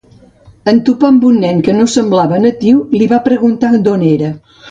En topar amb un nen que no semblava natiu, li va preguntar d'on era.